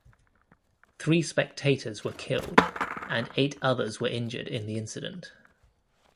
Three spectators were killed and eight others were injured in the incident.